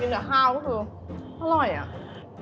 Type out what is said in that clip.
กับข้าวก็คืออร่อยอะ